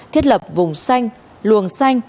thiết lập vùng xanh luồng xanh